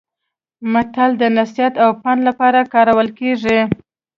متل د نصيحت او پند لپاره کارول کیږي